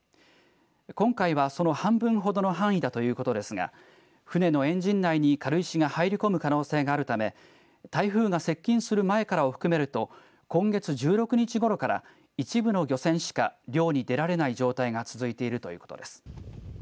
今回は、その半分ほどの範囲だということですが船のエンジン内に軽石が入り込む可能性があるため台風が接近する前からを含めると今月１６日ごろから一部の漁船しか漁に出られない状態が続いているということです。